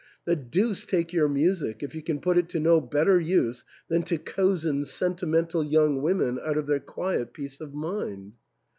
The deuce take your music if you can put it to no bet ter use than to cozen sentimental young women out of their quiet peace of mind."